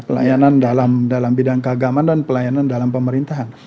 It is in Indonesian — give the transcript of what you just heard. pelayanan dalam bidang keagaman dan pelayanan dalam pemerintahan